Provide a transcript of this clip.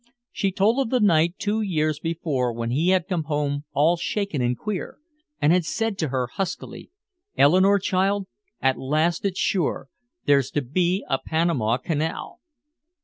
She told of the night two years before when he had come home "all shaken and queer" and had said to her huskily, "Eleanore, child, at last it's sure. There's to be a Panama Canal."